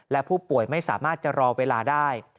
และผู้ป่วยไม่สามารถจะรอเวลาได้